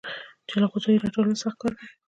د جلغوزیو راټولول سخت کار دی